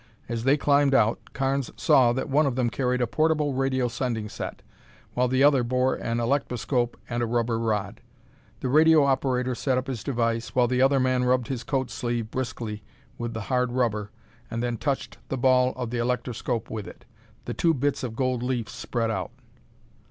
As they climbed out, Carnes saw that one of them carried a portable radio sending set, while the other bore an electroscope and a rubber rod. The radio operator set up his device, while the other man rubbed his coat sleeve briskly with the hard rubber and then touched the ball of the electroscope with it. The two bits of gold leaf spread out.